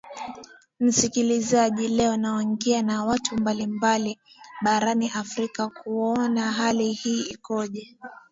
msikilizaji leo naongea na watu mbalimbali barani afrika kuona hali hii ikoje